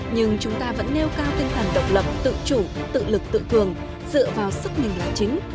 nhưng chúng ta vẫn nêu cao tinh thần độc lập tự chủ tự lực tự thường dựa vào sức nền lã chính